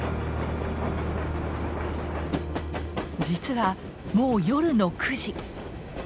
実はもう夜の９時。